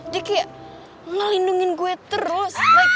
dia kayak ngelindungin gue terus